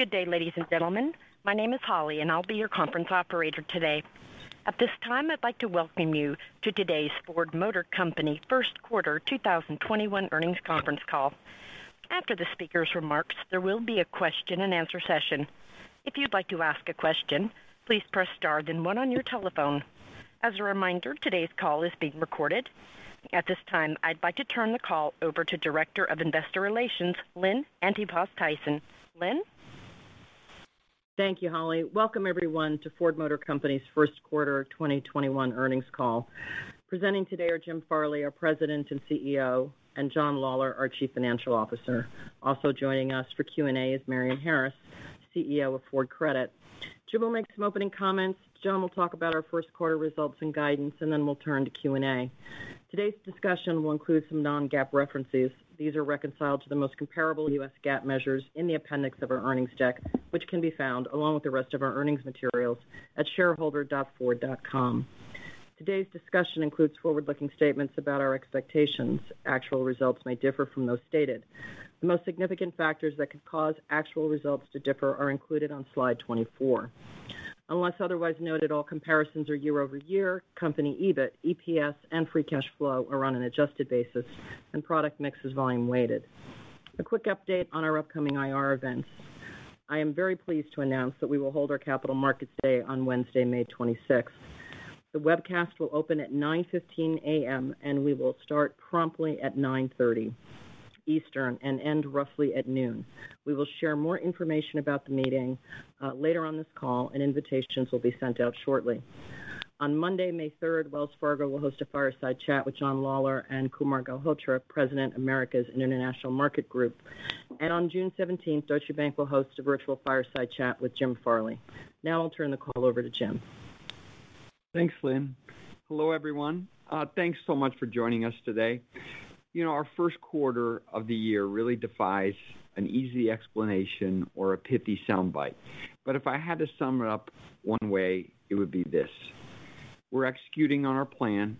Good day, ladies and gentlemen. My name is Holly, and I'll be your conference operator today. At this time, I'd like to welcome you to today's Ford Motor Company first quarter 2021 earnings conference call. After the speakers' remarks, there will be a question and answer session. If you'd like to ask a question, please press star then one on your telephone. As a reminder, today's call is being recorded. At this time, I'd like to turn the call over to Director of Investor Relations, Lynn Antipas Tyson. Lynn? Thank you, Holly. Welcome everyone to Ford Motor Company's first quarter 2021 earnings call. Presenting today are Jim Farley, our President and CEO, and John Lawler, our Chief Financial Officer. Also joining us for Q&A is Marion Harris, CEO of Ford Credit. Jim will make some opening comments, John will talk about our first quarter results and guidance, and then we'll turn to Q&A. Today's discussion will include some non-GAAP references. These are reconciled to the most comparable US GAAP measures in the appendix of our earnings deck, which can be found along with the rest of our earnings materials at shareholder.ford.com. Today's discussion includes forward-looking statements about our expectations. Actual results may differ from those stated. The most significant factors that could cause actual results to differ are included on slide 24. Unless otherwise noted, all comparisons are year-over-year. Company EBIT, EPS, and free cash flow are on an adjusted basis, and product mix is volume weighted. A quick update on our upcoming IR events. I am very pleased to announce that we will hold our Capital Markets Day on Wednesday, May 26th. The webcast will open at 9:15 A.M., and we will start promptly at 9:30 A.M. Eastern and end roughly at noon. We will share more information about the meeting later on this call, and invitations will be sent out shortly. On Monday, May 3rd, Wells Fargo will host a Fireside Chat with John Lawler and Kumar Galhotra, President, Americas and International Markets Group. On June 17th, Deutsche Bank will host a virtual Fireside Chat with Jim Farley. Now I'll turn the call over to Jim. Thanks, Lynn. Hello, everyone. Thanks so much for joining us today. Our first quarter of the year really defies an easy explanation or a pithy soundbite. If I had to sum it up one way, it would be this: We're executing on our plan,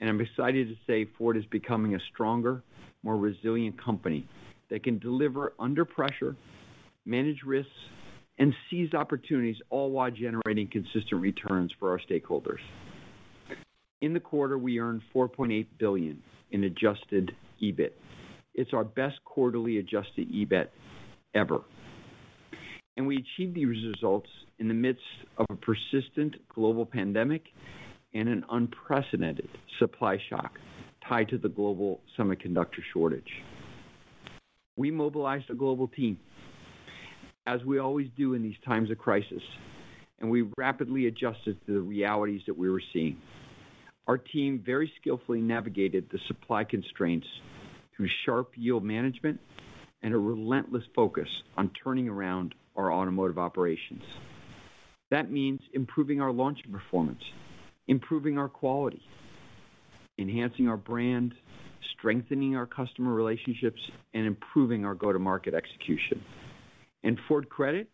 and I'm excited to say Ford is becoming a stronger, more resilient company that can deliver under pressure, manage risks, and seize opportunities, all while generating consistent returns for our stakeholders. In the quarter, we earned $4.8 billion in adjusted EBIT. It's our best quarterly adjusted EBIT ever. We achieved these results in the midst of a persistent global pandemic and an unprecedented supply shock tied to the global semiconductor shortage. We mobilized a global team, as we always do in these times of crisis, and we rapidly adjusted to the realities that we were seeing. Our team very skillfully navigated the supply constraints through sharp yield management and a relentless focus on turning around our automotive operations. That means improving our launch performance, improving our quality, enhancing our brand, strengthening our customer relationships, and improving our go-to-market execution. Ford Credit,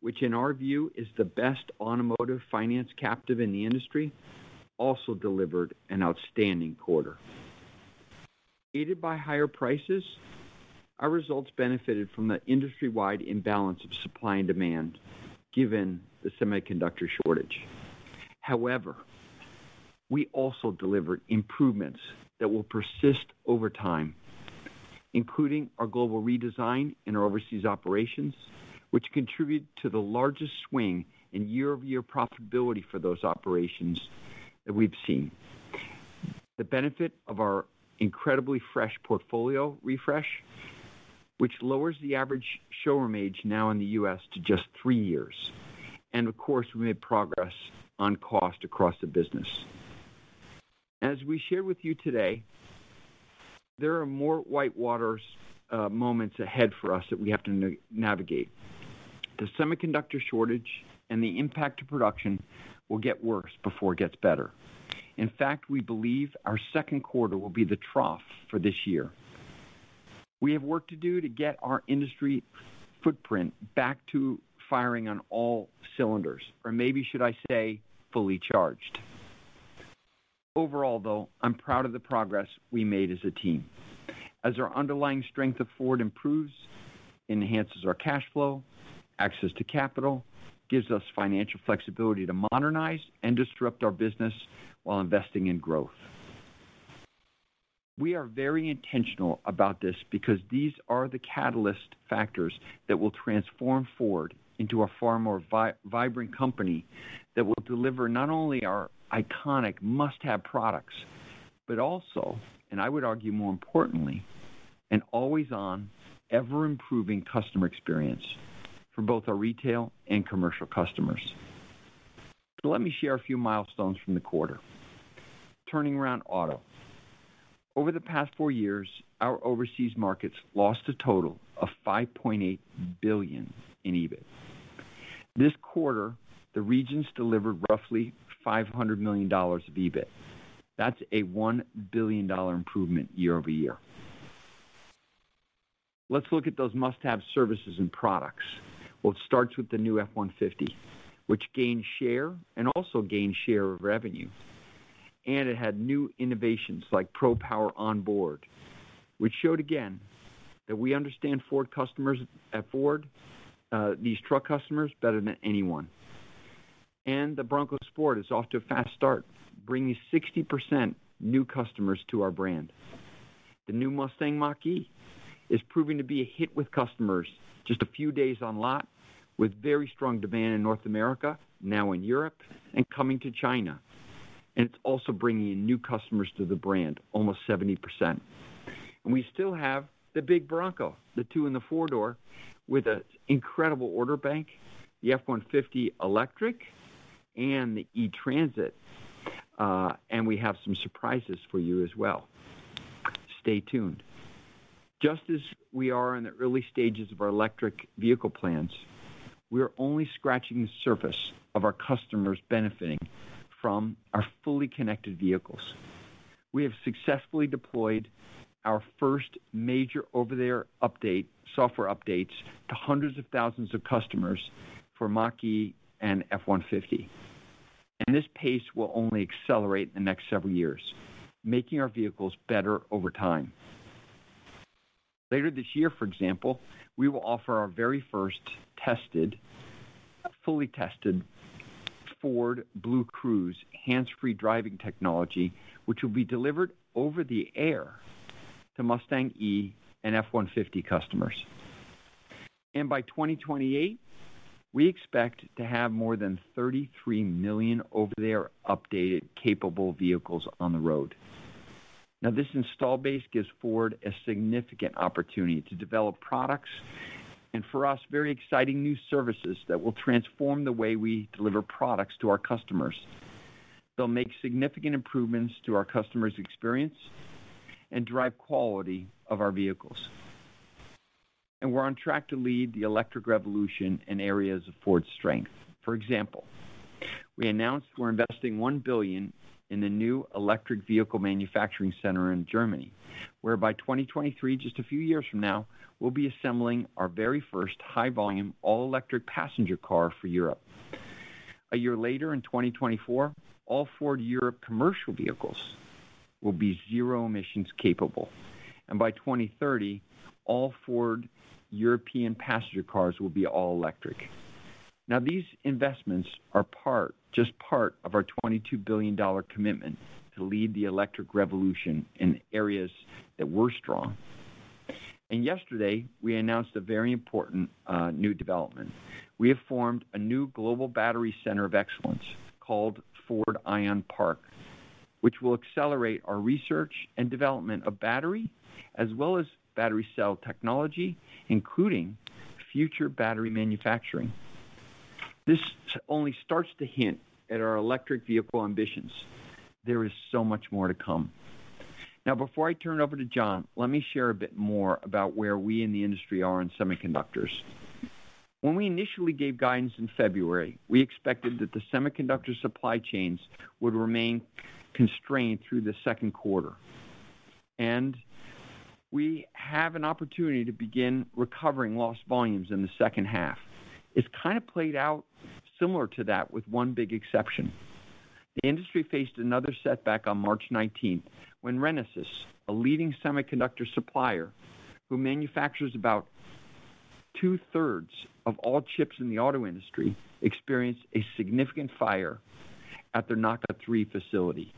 which in our view is the best automotive finance captive in the industry, also delivered an outstanding quarter. Aided by higher prices, our results benefited from the industry-wide imbalance of supply and demand given the semiconductor shortage. We also delivered improvements that will persist over time, including our global redesign in our overseas operations, which contribute to the largest swing in year-over-year profitability for those operations that we've seen. The benefit of our incredibly fresh portfolio refresh, which lowers the average showroom age now in the U.S. to just three years. Of course, we made progress on cost across the business. As we share with you today, there are more whitewater moments ahead for us that we have to navigate. The semiconductor shortage and the impact to production will get worse before it gets better. In fact, we believe our second quarter will be the trough for this year. We have work to do to get our industry footprint back to firing on all cylinders, or maybe should I say, fully charged. Overall, though, I am proud of the progress we made as a team. As our underlying strength of Ford improves, enhances our cash flow, access to capital, gives us financial flexibility to modernize and disrupt our business while investing in growth. We are very intentional about this because these are the catalyst factors that will transform Ford into a far more vibrant company that will deliver not only our iconic must-have products, but also, and I would argue more importantly, an always-on, ever-improving customer experience for both our retail and commercial customers. Let me share a few milestones from the quarter. Turning around auto. Over the past four years, our overseas markets lost a total of $5.8 billion in EBIT. This quarter, the regions delivered roughly $500 million of EBIT. That's a $1 billion improvement year-over-year. Let's look at those must-have services and products. Well, it starts with the new F-150, which gained share and also gained share of revenue. It had new innovations like Pro Power Onboard, which showed again, that we understand Ford customers at Ford, these truck customers better than anyone. The Bronco Sport is off to a fast start, bringing 60% new customers to our brand. The new Mustang Mach-E is proving to be a hit with customers just a few days on lot, with very strong demand in North America, now in Europe, and coming to China, and it's also bringing in new customers to the brand, almost 70%. We still have the big Bronco, the two and the four-door with an incredible order bank, the F-150 electric and the E-Transit, and we have some surprises for you as well. Stay tuned. Just as we are in the early stages of our electric vehicle plans, we are only scratching the surface of our customers benefiting from our fully connected vehicles. We have successfully deployed our first major over-the-air software updates to hundreds of thousands of customers for Mach-E and F-150. This pace will only accelerate in the next several years, making our vehicles better over time. Later this year, for example, we will offer our very first fully tested Ford BlueCruise hands-free driving technology, which will be delivered over the air to Mustang Mach-E and F-150 customers. By 2028, we expect to have more than 33 million over-the-air updated capable vehicles on the road. This install base gives Ford a significant opportunity to develop products and for us, very exciting new services that will transform the way we deliver products to our customers. They'll make significant improvements to our customer's experience and drive quality of our vehicles. We're on track to lead the electric revolution in areas of Ford's strength. For example, we announced we're investing $1 billion in the new electric vehicle manufacturing center in Germany, where by 2023, just a few years from now, we'll be assembling our very first high volume all electric passenger car for Europe. A year later in 2024, all Ford Europe commercial vehicles will be zero emissions capable, and by 2030, all Ford European passenger cars will be all electric. These investments are just part of our $22 billion commitment to lead the electric revolution in areas that we're strong. Yesterday, we announced a very important new development. We have formed a new global battery center of excellence called Ford Ion Park, which will accelerate our research and development of battery as well as battery cell technology, including future battery manufacturing. This only starts to hint at our electric vehicle ambitions. There is so much more to come. Before I turn it over to John, let me share a bit more about where we in the industry are in semiconductors. When we initially gave guidance in February, we expected that the semiconductor supply chains would remain constrained through the second quarter. We have an opportunity to begin recovering lost volumes in the second half. It's kind of played out similar to that with one big exception. The industry faced another setback on March 19th when Renesas, a leading semiconductor supplier who manufactures about two thirds of all chips in the auto industry, experienced a significant fire at their Naka 3 facility.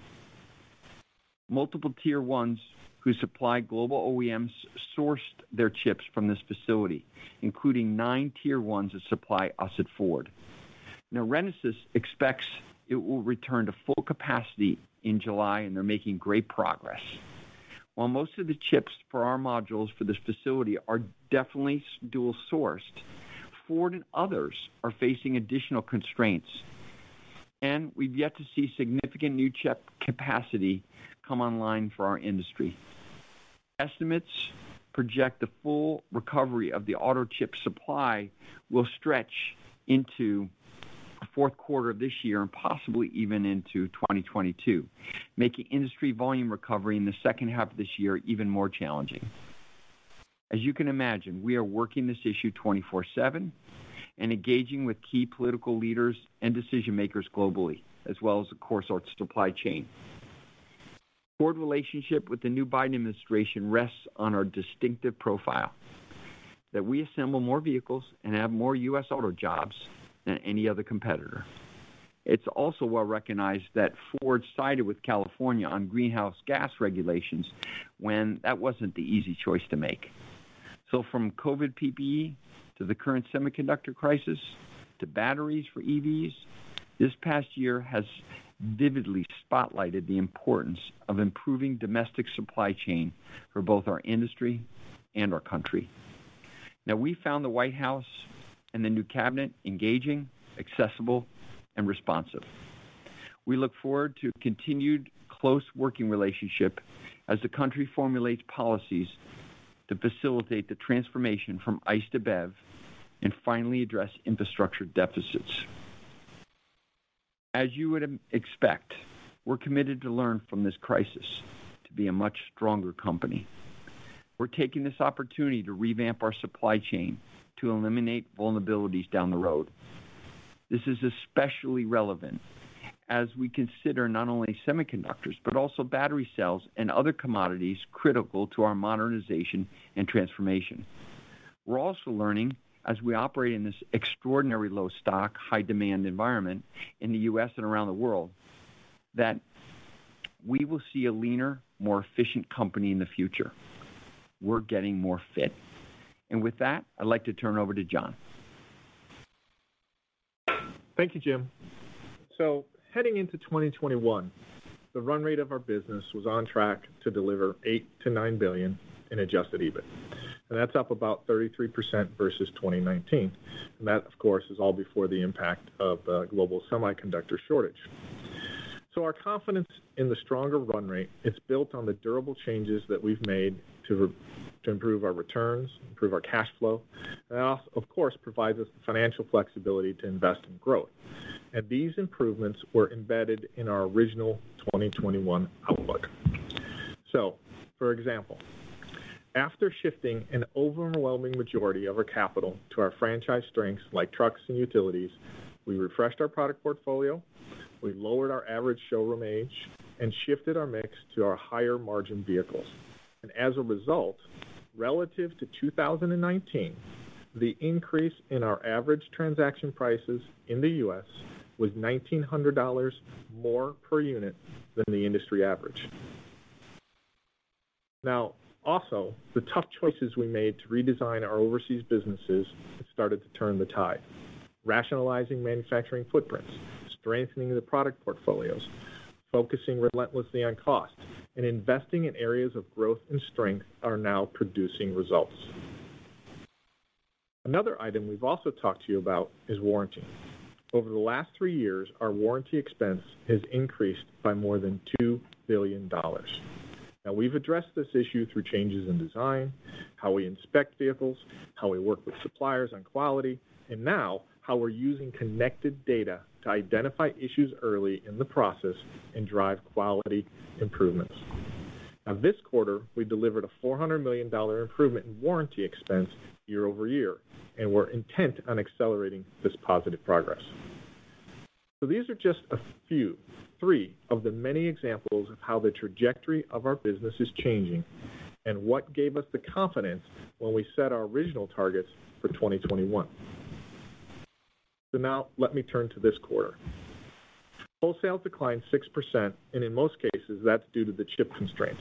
Multiple tier 1s who supply global OEMs sourced their chips from this facility, including 9 tier 1s that supply us at Ford. Renesas expects it will return to full capacity in July, and they're making great progress. While most of the chips for our modules for this facility are definitely dual sourced, Ford and others are facing additional constraints, and we've yet to see significant new chip capacity come online for our industry. Estimates project the full recovery of the auto chip supply will stretch into the fourth quarter of this year and possibly even into 2022, making industry volume recovery in the second half of this year even more challenging. As you can imagine, we are working this issue 24/7 and engaging with key political leaders and decision makers globally as well as, of course, our supply chain. Ford relationship with the new Biden administration rests on our distinctive profile that we assemble more vehicles and have more U.S. auto jobs than any other competitor. It's also well recognized that Ford sided with California on greenhouse gas regulations when that wasn't the easy choice to make. From COVID PPE to the current semiconductor crisis to batteries for EVs, this past year has vividly spotlighted the importance of improving domestic supply chain for both our industry and our country. We found the White House and the new cabinet engaging, accessible, and responsive. We look forward to continued close working relationship as the country formulates policies to facilitate the transformation from ICE to BEV and finally address infrastructure deficits. As you would expect, we're committed to learn from this crisis to be a much stronger company. We're taking this opportunity to revamp our supply chain to eliminate vulnerabilities down the road. This is especially relevant as we consider not only semiconductors, but also battery cells and other commodities critical to our modernization and transformation. We're also learning, as we operate in this extraordinary low-stock, high-demand environment in the U.S. and around the world, that we will see a leaner, more efficient company in the future. We're getting more fit. With that, I'd like to turn over to John. Thank you, Jim. Heading into 2021, the run rate of our business was on track to deliver $8 billion-$9 billion in adjusted EBIT. That's up about 33% versus 2019, and that, of course, is all before the impact of the global semiconductor shortage. Our confidence in the stronger run rate, it's built on the durable changes that we've made to improve our returns, improve our cash flow, and of course, provides us the financial flexibility to invest in growth. These improvements were embedded in our original 2021 outlook. For example, after shifting an overwhelming majority of our capital to our franchise strengths like trucks and utilities, we refreshed our product portfolio, we lowered our average showroom age, and shifted our mix to our higher margin vehicles. As a result, relative to 2019, the increase in our average transaction prices in the U.S. was $1,900 more per unit than the industry average. Also, the tough choices we made to redesign our overseas businesses have started to turn the tide. Rationalizing manufacturing footprints, strengthening the product portfolios, focusing relentlessly on cost, and investing in areas of growth and strength are now producing results. Another item we've also talked to you about is warranty. Over the last three years, our warranty expense has increased by more than $2 billion. We've addressed this issue through changes in design, how we inspect vehicles, how we work with suppliers on quality, and now how we're using connected data to identify issues early in the process and drive quality improvements. This quarter, we delivered a $400 million improvement in warranty expense year-over-year, and we're intent on accelerating this positive progress. These are just a few, three, of the many examples of how the trajectory of our business is changing and what gave us the confidence when we set our original targets for 2021. Now let me turn to this quarter. Wholesale declined 6%, in most cases, that's due to the chip constraints.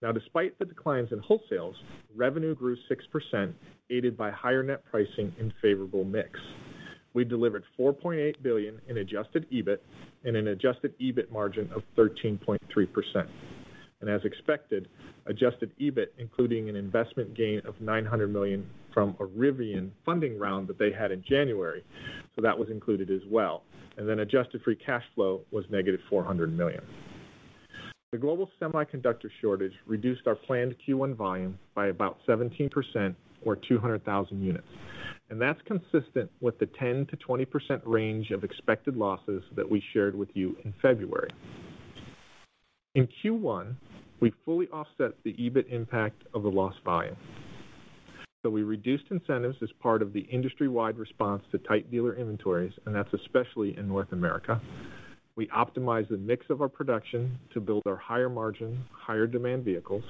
Now despite the declines in wholesales, revenue grew 6%, aided by higher net pricing and favorable mix. We delivered $4.8 billion in adjusted EBIT and an adjusted EBIT margin of 13.3%. As expected, adjusted EBIT, including an investment gain of $900 million from a Rivian funding round that they had in January, so that was included as well. Adjusted free cash flow was negative $400 million. The global semiconductor shortage reduced our planned Q1 volume by about 17% or 200,000 units. That's consistent with the 10%-20% range of expected losses that we shared with you in February. In Q1, we fully offset the EBIT impact of the lost volume. We reduced incentives as part of the industry-wide response to tight dealer inventories. That's especially in North America. We optimized the mix of our production to build our higher margin, higher demand vehicles.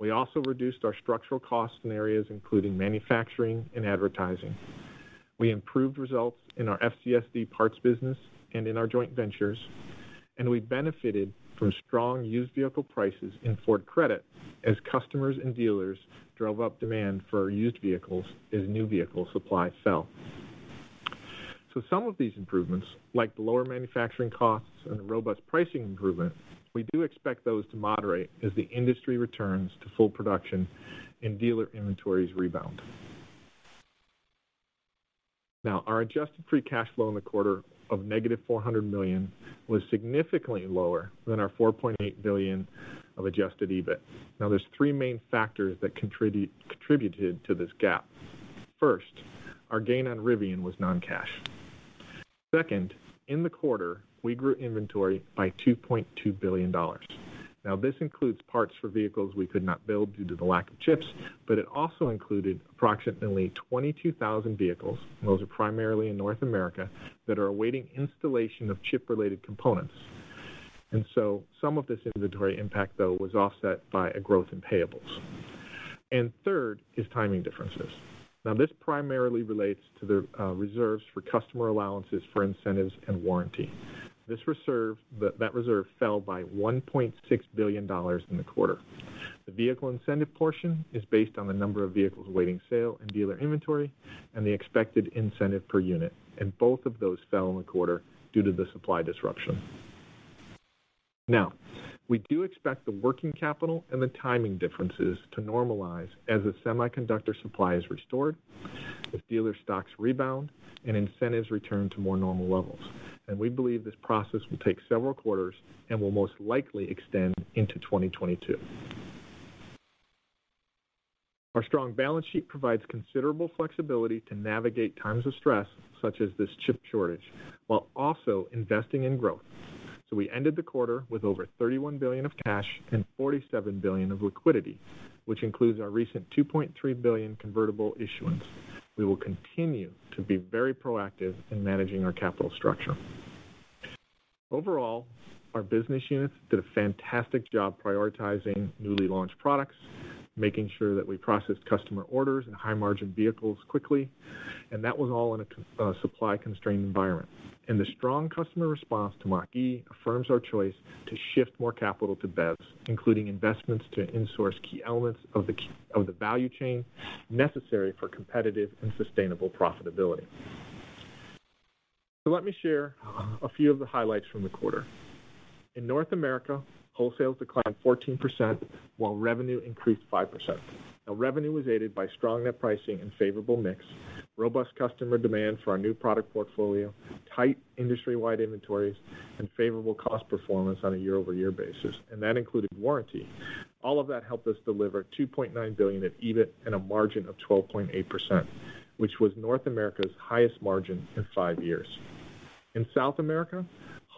We also reduced our structural costs in areas including manufacturing and advertising. We improved results in our FCSD parts business and in our joint ventures. We benefited from strong used vehicle prices in Ford Credit as customers and dealers drove up demand for used vehicles as new vehicle supply fell. Some of these improvements, like the lower manufacturing costs and the robust pricing improvement, we do expect those to moderate as the industry returns to full production and dealer inventories rebound. Our adjusted free cash flow in the quarter of negative $400 million was significantly lower than our $4.8 billion of adjusted EBIT. There is three main factors that contributed to this gap. First, our gain on Rivian was non-cash. Second, in the quarter, we grew inventory by $2.2 billion. This includes parts for vehicles we could not build due to the lack of chips, but it also included approximately 22,000 vehicles, and those are primarily in North America, that are awaiting installation of chip-related components. Some of this inventory impact, though, was offset by a growth in payables. Third is timing differences. Now this primarily relates to the reserves for customer allowances for incentives and warranty. That reserve fell by $1.6 billion in the quarter. The vehicle incentive portion is based on the number of vehicles awaiting sale and dealer inventory and the expected incentive per unit, and both of those fell in the quarter due to the supply disruption. Now, we do expect the working capital and the timing differences to normalize as the semiconductor supply is restored, as dealer stocks rebound, and incentives return to more normal levels. We believe this process will take several quarters and will most likely extend into 2022. Our strong balance sheet provides considerable flexibility to navigate times of stress, such as this chip shortage, while also investing in growth. We ended the quarter with over $31 billion of cash and $47 billion of liquidity, which includes our recent $2.3 billion convertible issuance. We will continue to be very proactive in managing our capital structure. Overall, our business units did a fantastic job prioritizing newly launched products, making sure that we processed customer orders and high-margin vehicles quickly. That was all in a supply-constrained environment. The strong customer response to Mach-E affirms our choice to shift more capital to BEVs, including investments to insource key elements of the value chain necessary for competitive and sustainable profitability. Let me share a few of the highlights from the quarter. In North America, wholesales declined 14% while revenue increased 5%. Now revenue was aided by strong net pricing and favorable mix, robust customer demand for our new product portfolio, tight industry-wide inventories, and favorable cost performance on a year-over-year basis. That included warranty. All of that helped us deliver $2.9 billion in EBIT and a margin of 12.8%, which was North America's highest margin in five years. In South America,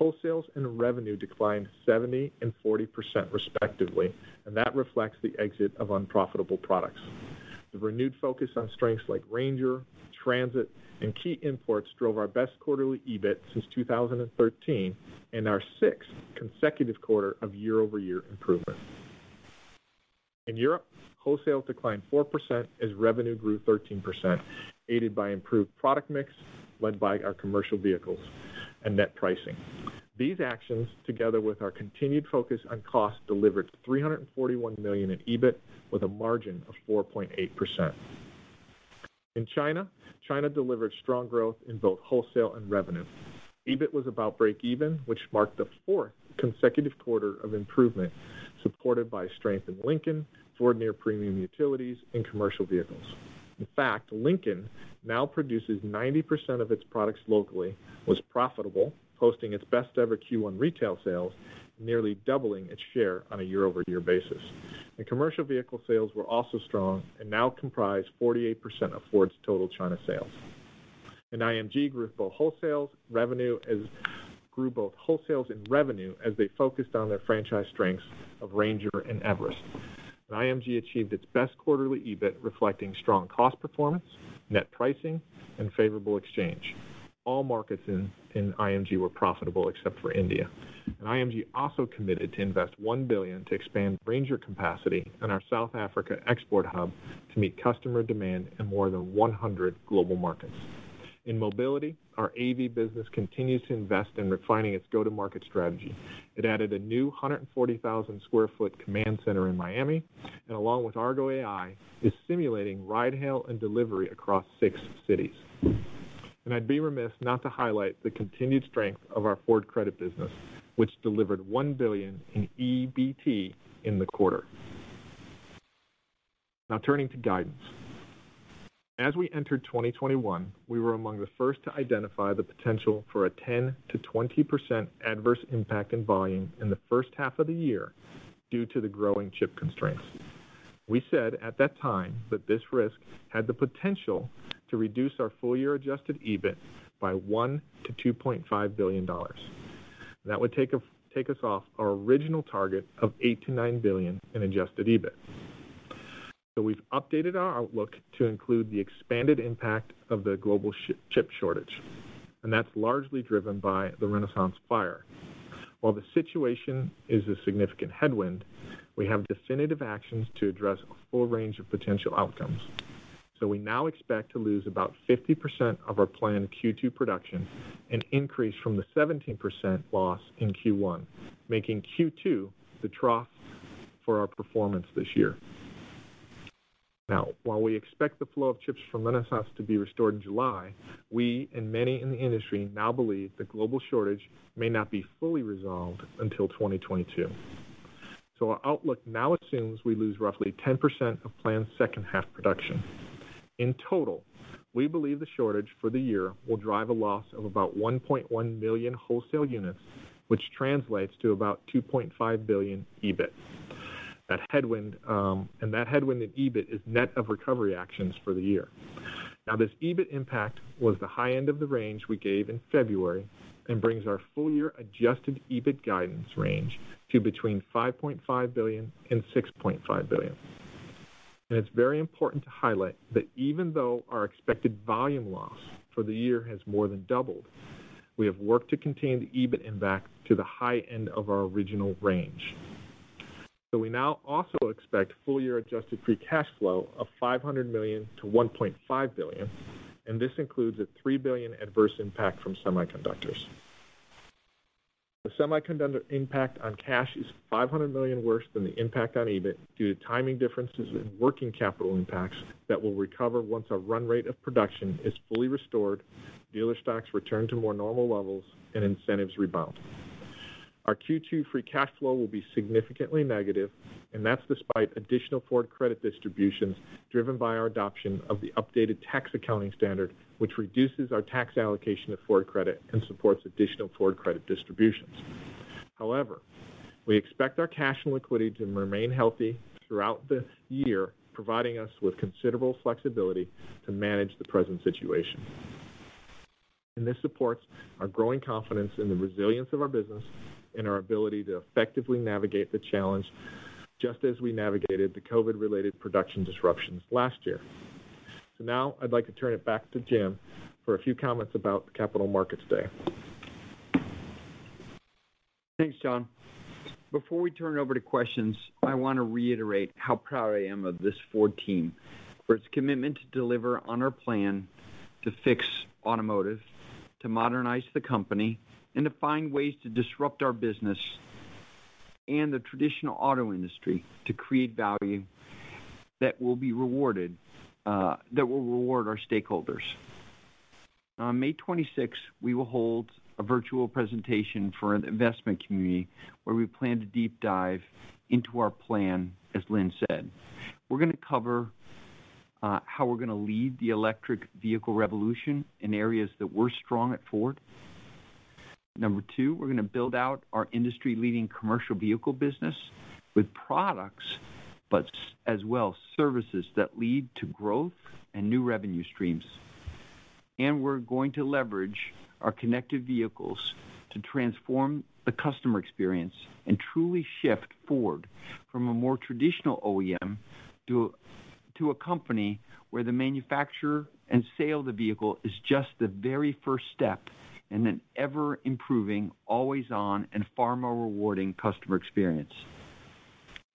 wholesales and revenue declined 70% and 40% respectively. That reflects the exit of unprofitable products. The renewed focus on strengths like Ranger, Transit, and key imports drove our best quarterly EBIT since 2013 and our sixth consecutive quarter of year-over-year improvement. In Europe, wholesales declined 4% as revenue grew 13%, aided by improved product mix led by our commercial vehicles and net pricing. These actions, together with our continued focus on cost, delivered $341 million in EBIT with a margin of 4.8%. In China delivered strong growth in both wholesale and revenue. EBIT was about break even, which marked the fourth consecutive quarter of improvement, supported by strength in Lincoln, Ford non-premium utilities, and commercial vehicles. Lincoln now produces 90% of its products locally, was profitable, posting its best ever Q1 retail sales, nearly doubling its share on a year-over-year basis. Commercial vehicle sales were also strong and now comprise 48% of Ford's total China sales. IMG grew both wholesales and revenue as they focused on their franchise strengths of Ranger and Everest. IMG achieved its best quarterly EBIT reflecting strong cost performance, net pricing, and favorable exchange. All markets in IMG were profitable except for India. IMG also committed to invest $1 billion to expand Ranger capacity in our South Africa export hub to meet customer demand in more than 100 global markets. In mobility, our AV business continues to invest in refining its go-to-market strategy. It added a new 140,000 sq ft command center in Miami, along with Argo AI, is simulating ride hail and delivery across six cities. I'd be remiss not to highlight the continued strength of our Ford Credit business, which delivered $1 billion in EBT in the quarter. Now turning to guidance. As we entered 2021, we were among the first to identify the potential for a 10%-20% adverse impact in volume in the first half of the year due to the growing chip constraints. We said at that time that this risk had the potential to reduce our full-year adjusted EBIT by $1 billion-$2.5 billion. That would take us off our original target of $8 billion-$9 billion in adjusted EBIT. We've updated our outlook to include the expanded impact of the global chip shortage, and that's largely driven by the Renesas fire. While the situation is a significant headwind, we have definitive actions to address a full range of potential outcomes. We now expect to lose about 50% of our planned Q2 production, an increase from the 17% loss in Q1, making Q2 the trough for our performance this year. While we expect the flow of chips from Renesas to be restored in July, we and many in the industry now believe the global shortage may not be fully resolved until 2022. Our outlook now assumes we lose roughly 10% of planned second half production. In total, we believe the shortage for the year will drive a loss of about 1.1 million wholesale units, which translates to about $2.5 billion EBIT. That headwind in EBIT is net of recovery actions for the year. This EBIT impact was the high end of the range we gave in February and brings our full-year adjusted EBIT guidance range to between $5.5 billion and $6.5 billion. It's very important to highlight that even though our expected volume loss for the year has more than doubled, we have worked to contain the EBIT impact to the high end of our original range. We now also expect full-year adjusted free cash flow of $500 million-$1.5 billion, and this includes a $3 billion adverse impact from semiconductors. The semiconductor impact on cash is $500 million worse than the impact on EBIT due to timing differences in working capital impacts that will recover once our run rate of production is fully restored, dealer stocks return to more normal levels, and incentives rebound. Our Q2 free cash flow will be significantly negative, and that's despite additional Ford Credit distributions driven by our adoption of the updated tax accounting standard, which reduces our tax allocation of Ford Credit and supports additional Ford Credit distributions. However, we expect our cash and liquidity to remain healthy throughout this year, providing us with considerable flexibility to manage the present situation. This supports our growing confidence in the resilience of our business and our ability to effectively navigate the challenge, just as we navigated the COVID-related production disruptions last year. Now I'd like to turn it back to Jim for a few comments about Capital Markets Day. Thanks, John. Before we turn it over to questions, I want to reiterate how proud I am of this Ford team for its commitment to deliver on our plan to fix automotive, to modernize the company, and to find ways to disrupt our business and the traditional auto industry to create value that will reward our stakeholders. On May 26th, we will hold a virtual presentation for the investment community where we plan to deep dive into our plan, as Lynn said. We're going to cover how we're going to lead the electric vehicle revolution in areas that we're strong at Ford. Number two, we're going to build out our industry-leading commercial vehicle business with products, but as well services that lead to growth and new revenue streams. We're going to leverage our connected vehicles to transform the customer experience and truly shift Ford from a more traditional OEM to a company where the manufacture and sale of the vehicle is just the very first step in an ever-improving, always-on, and far more rewarding customer experience.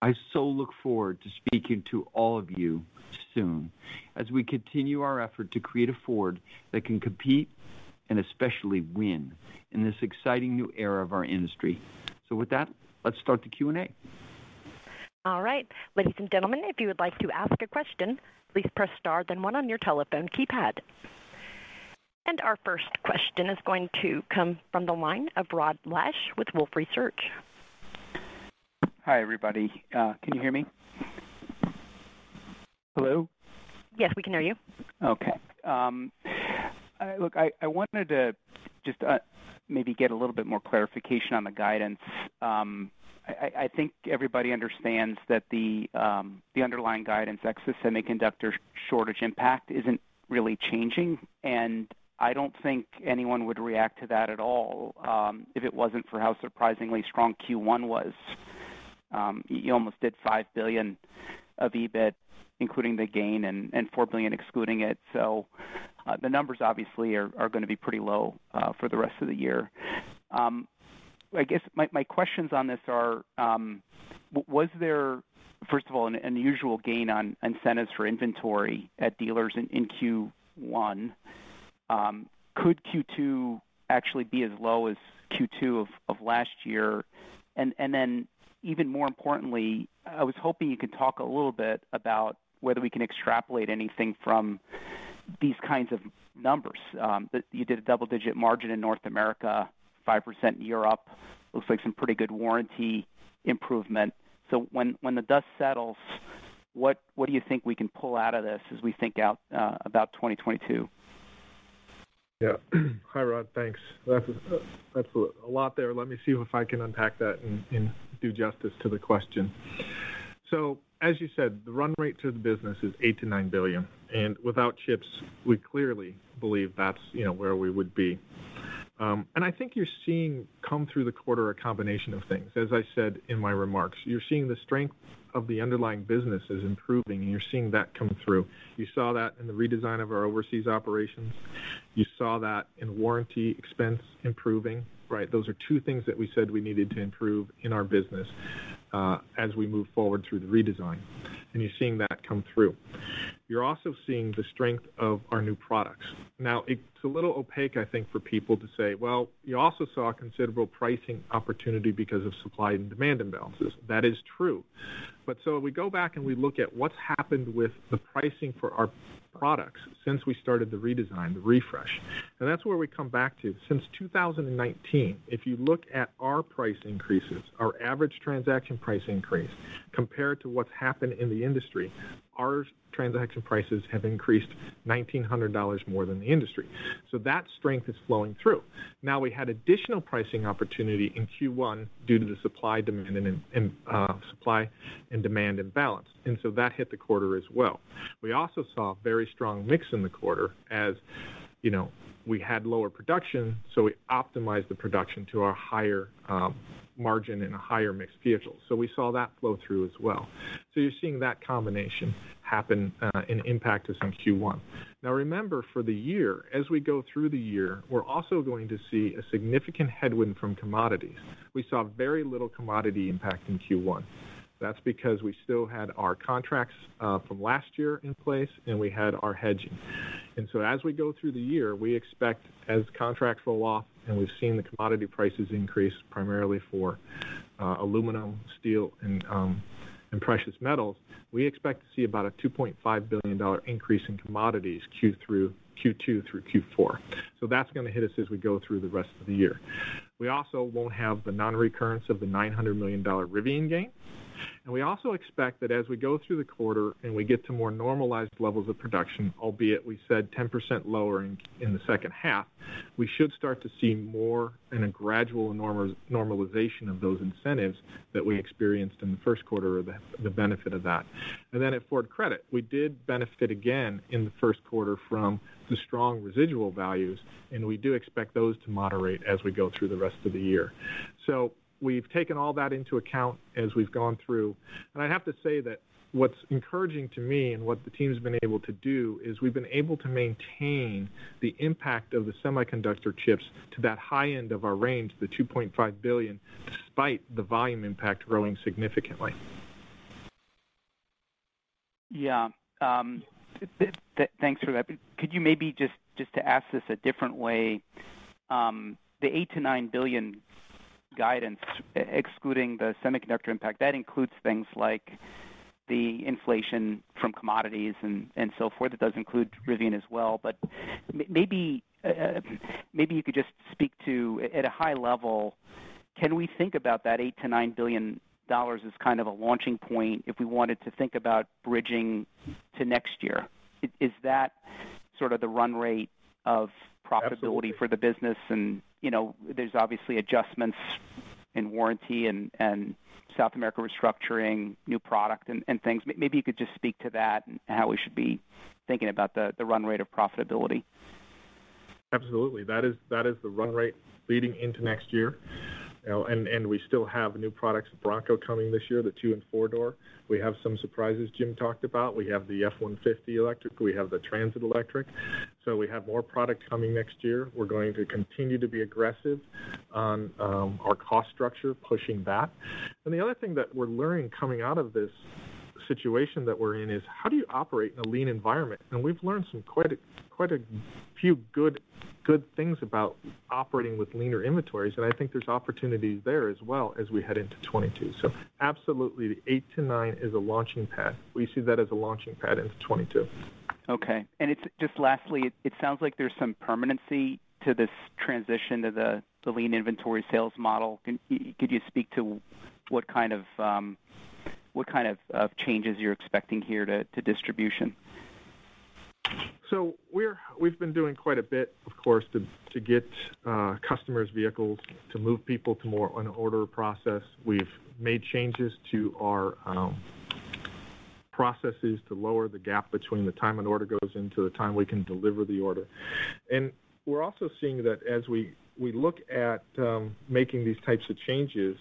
I so look forward to speaking to all of you soon as we continue our effort to create a Ford that can compete and especially win in this exciting new era of our industry. With that, let's start the Q&A. All right. Ladies and gentlemen, if you would like to ask a question, please press star then one on your telephone keypad. Our first question is going to come from the line of Rod Lache with Wolfe Research. Hi, everybody. Can you hear me? Hello? Yes, we can hear you. Look, I wanted to just maybe get a little bit more clarification on the guidance. I think everybody understands that the underlying guidance, ex the semiconductor shortage impact, isn't really changing, and I don't think anyone would react to that at all if it wasn't for how surprisingly strong Q1 was. You almost did $5 billion of EBIT, including the gain, and $4 billion excluding it. The numbers obviously are going to be pretty low for the rest of the year. I guess my questions on this are, was there, first of all, an unusual gain on incentives for inventory at dealers in Q1? Could Q2 actually be as low as Q2 of last year? Even more importantly, I was hoping you could talk a little bit about whether we can extrapolate anything from these kinds of numbers. You did a double-digit margin in North America, 5% in Europe. Looks like some pretty good warranty improvement. When the dust settles, what do you think we can pull out of this as we think about 2022? Yeah. Hi, Rod. Thanks. That's a lot there. Let me see if I can unpack that and do justice to the question. As you said, the run rate to the business is $8 billion-$9 billion. Without chips, we clearly believe that's where we would be. I think you're seeing come through the quarter a combination of things. As I said in my remarks, you're seeing the strength of the underlying business is improving, and you're seeing that come through. You saw that in the redesign of our overseas operations. You saw that in warranty expense improving, right? Those are two things that we said we needed to improve in our business as we move forward through the redesign, and you're seeing that come through. You're also seeing the strength of our new products. It's a little opaque, I think, for people to say, well, you also saw a considerable pricing opportunity because of supply and demand imbalances. That is true. We go back and we look at what's happened with the pricing for our products since we started the redesign, the refresh. That's where we come back to. Since 2019, if you look at our price increases, our average transaction price increase compared to what's happened in the industry, our transaction prices have increased $1,900 more than the industry. That strength is flowing through. We had additional pricing opportunity in Q1 due to the supply and demand imbalance, and so that hit the quarter as well. We also saw a very strong mix in the quarter as we had lower production, so we optimized the production to a higher margin and a higher mixed vehicle. We saw that flow through as well. You're seeing that combination happen and impact us in Q1. Now remember, for the year, as we go through the year, we're also going to see a significant headwind from commodities. We saw very little commodity impact in Q1. That's because we still had our contracts from last year in place and we had our hedging. As we go through the year, we expect as contracts roll off, and we've seen the commodity prices increase, primarily for aluminum, steel, and precious metals, we expect to see about a $2.5 billion increase in commodities Q2 through Q4. That's going to hit us as we go through the rest of the year. We also won't have the non-recurrence of the $900 million Rivian gain. We also expect that as we go through the quarter and we get to more normalized levels of production, albeit we said 10% lower in the second half, we should start to see more and a gradual normalization of those incentives that we experienced in the first quarter or the benefit of that. Then at Ford Credit, we did benefit again in the first quarter from the strong residual values, and we do expect those to moderate as we go through the rest of the year. We've taken all that into account as we've gone through. I'd have to say that what's encouraging to me and what the team's been able to do is we've been able to maintain the impact of the semiconductor chips to that high end of our range, the $2.5 billion, despite the volume impact growing significantly. Yeah. Thanks for that. Could you maybe, just to ask this a different way, the $8 billion-$9 billion guidance, excluding the semiconductor impact, that includes things like the inflation from commodities and so forth. It does include Rivian as well. Maybe you could just speak to, at a high level, can we think about that $8 billion-$9 billion as kind of a launching point if we wanted to think about bridging to next year? Is that sort of the run rate of profitability? Absolutely. for the business? There's obviously adjustments in warranty and South America restructuring, new product, and things. Maybe you could just speak to that and how we should be thinking about the run rate of profitability. Absolutely. That is the run rate leading into next year. We still have new products, Bronco coming this year, the two and four door. We have some surprises Jim talked about. We have the F-150 electric. We have the Transit electric. We have more product coming next year. We're going to continue to be aggressive on our cost structure, pushing back. The other thing that we're learning coming out of this situation that we're in is how do you operate in a lean environment? We've learned quite a few good things about operating with leaner inventories, and I think there's opportunities there as well as we head into 2022. Absolutely, the eight to nine is a launching pad. We see that as a launching pad into 2022. Okay. Just lastly, it sounds like there's some permanency to this transition to the lean inventory sales model. Could you speak to what kind of changes you're expecting here to distribution? We've been doing quite a bit, of course, to get customers vehicles, to move people to more on an order process. We've made changes to our processes to lower the gap between the time an order goes in to the time we can deliver the order. We're also seeing that as we look at making these types of changes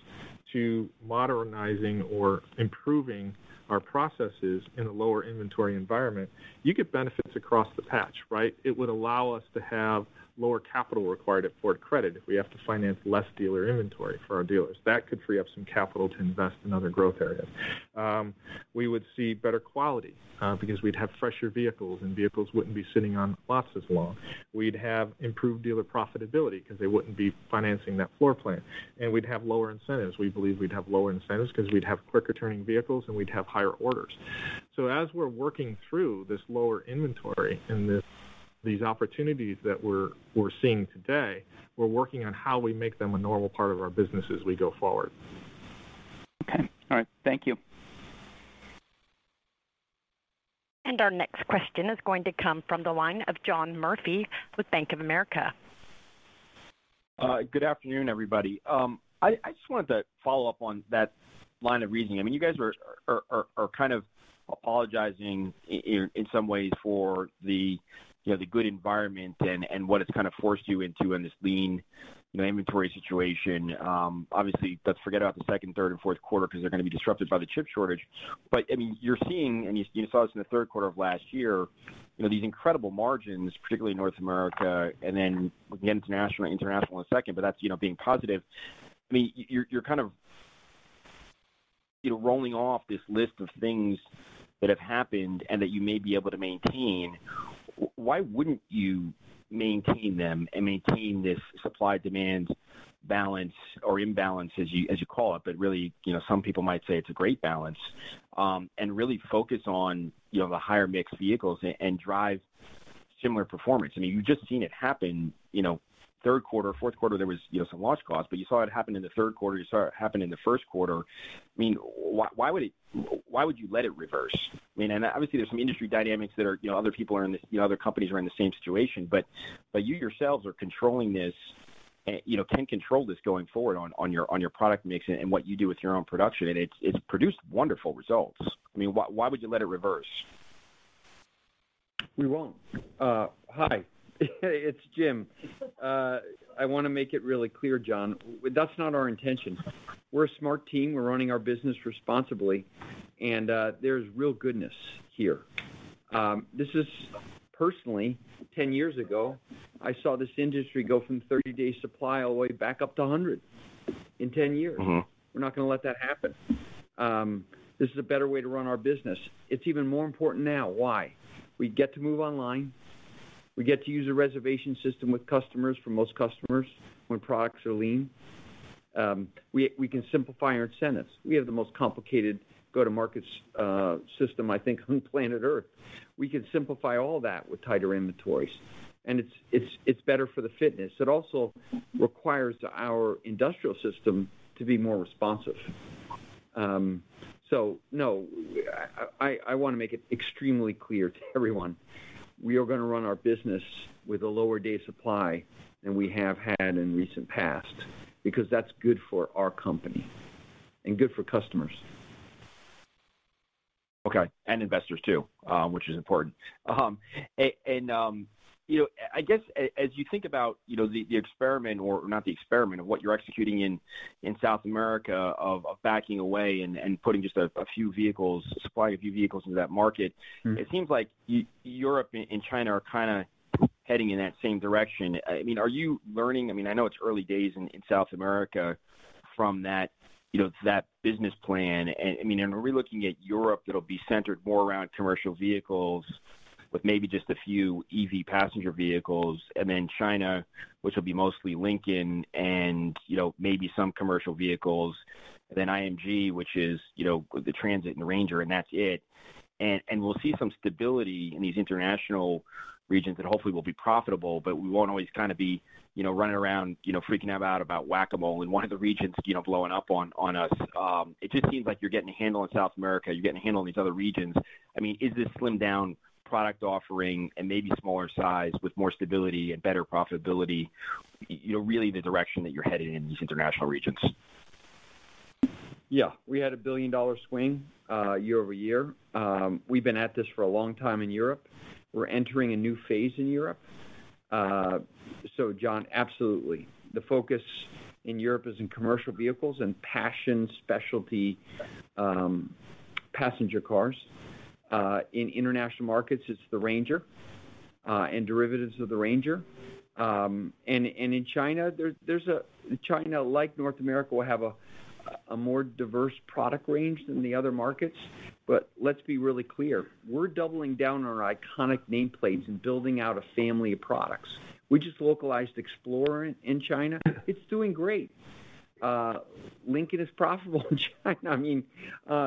to modernizing or improving our processes in a lower inventory environment, you get benefits across the patch, right? It would allow us to have lower capital required at Ford Credit if we have to finance less dealer inventory for our dealers. That could free up some capital to invest in other growth areas. We would see better quality because we'd have fresher vehicles and vehicles wouldn't be sitting on the lots as long. We'd have improved dealer profitability because they wouldn't be financing that floor plan. We'd have lower incentives. We believe we'd have lower incentives because we'd have quicker turning vehicles and we'd have higher orders. As we're working through this lower inventory and these opportunities that we're seeing today, we're working on how we make them a normal part of our business as we go forward. Okay. All right. Thank you. Our next question is going to come from the line of John Murphy with Bank of America. Good afternoon, everybody. I just wanted to follow up on that line of reasoning. You guys are kind of apologizing in some ways for the good environment and what it's kind of forced you into in this lean inventory situation. Obviously, let's forget about the second, third, and fourth quarter because they're going to be disrupted by the chip shortage. You're seeing, and you saw this in the third quarter of last year, these incredible margins, particularly in North America, and then again, international in a second, but that's being positive. You're kind of rolling off this list of things that have happened and that you may be able to maintain. Why wouldn't you maintain them and maintain this supply-demand balance or imbalance as you call it, but really some people might say it's a great balance, and really focus on the higher mix vehicles and drive similar performance? You've just seen it happen, third quarter, fourth quarter, there was some launch costs, but you saw it happen in the third quarter, you saw it happen in the first quarter. Why would you let it reverse? Obviously, there's some industry dynamics that other companies are in the same situation, but you yourselves are controlling this, can control this going forward on your product mix and what you do with your own production, and it's produced wonderful results. Why would you let it reverse? We won't. Hi. It's Jim. I want to make it really clear, John, that's not our intention. We're a smart team. We're running our business responsibly, and there's real goodness here. This is personally, 10 years ago, I saw this industry go from 30-day supply all the way back up to 100 in 10 years. We're not going to let that happen. This is a better way to run our business. It's even more important now. Why? We get to move online. We get to use a reservation system with customers for most customers when products are lean. We can simplify our incentives. We have the most complicated go-to-market system, I think, on planet Earth. We can simplify all that with tighter inventories. It's better for the fitness. It also requires our industrial system to be more responsive No, I want to make it extremely clear to everyone, we are going to run our business with a lower day supply than we have had in recent past, because that's good for our company and good for customers. Okay. Investors too, which is important. I guess as you think about the experiment, or not the experiment, of what you're executing in South America, of backing away and putting just a few vehicles, supply a few vehicles into that market. It seems like Europe and China are kind of heading in that same direction. Are you learning, I know it's early days in South America, from that business plan? Are we looking at Europe that'll be centered more around commercial vehicles with maybe just a few EV passenger vehicles, and then China, which will be mostly Lincoln and maybe some commercial vehicles, IMG, which is the Transit and Ranger, and that's it? We'll see some stability in these international regions that hopefully will be profitable, but we won't always be running around freaking out about Whac-A-Mole and one of the regions blowing up on us. It just seems like you're getting a handle on South America, you're getting a handle on these other regions. Is this slimmed down product offering and maybe smaller size with more stability and better profitability, really the direction that you're headed in these international regions? Yeah. We had a billion-dollar swing year-over-year. We've been at this for a long time in Europe. We're entering a new phase in Europe. John, absolutely. The focus in Europe is in commercial vehicles and passion specialty passenger cars. In international markets, it's the Ranger, and derivatives of the Ranger. In China, like North America, will have a more diverse product range than the other markets. Let's be really clear. We're doubling down on our iconic nameplates and building out a family of products. We just localized Explorer in China. It's doing great. Lincoln is profitable in China.